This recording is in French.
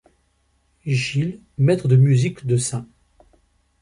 Gilles, Maître de Musique de St.